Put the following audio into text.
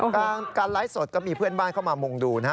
การไลฟ์สดก็มีเพื่อนบ้านเข้ามามุงดูนะฮะ